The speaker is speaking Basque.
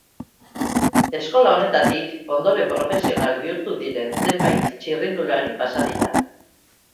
Eskola honetatik ondoren profesional bihurtu diren zenbait txirrindulari pasa dira.